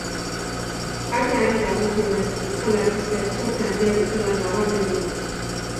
Arteari dagokionez, euskal artistek zorte handia dutela nabarmendu du.